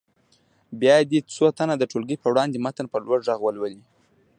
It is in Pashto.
بیا دې څو تنه د ټولګي په وړاندې متن په لوړ غږ ولولي.